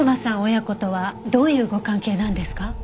親子とはどういうご関係なんですか？